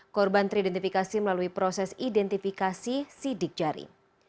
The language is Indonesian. korban teridentifikasi melalui proses identifikasi sidik jari